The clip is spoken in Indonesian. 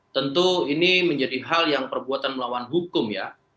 tentu ini menjadi hal yang perbuatan melawan hukum ya